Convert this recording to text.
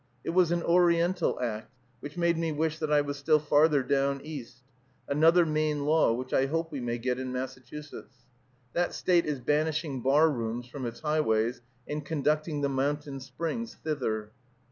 It was an Oriental act, which made me wish that I was still farther down East, another Maine law, which I hope we may get in Massachusetts. That State is banishing bar rooms from its highways, and conducting the mountain springs thither.